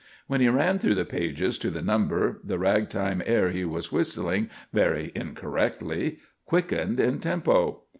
When he ran through the pages to the number, the ragtime air he was whistling very incorrectly quickened in tempo.